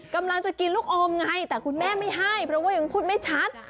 กำลังจะกินลูกอมไงแต่คุณแม่ไม่ให้เพราะว่ายังพูดไม่ชัด